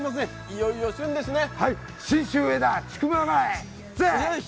いよいよ旬ですね。